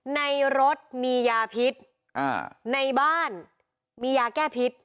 ในรถมียาพิษในบ้านมียาแก้พิษ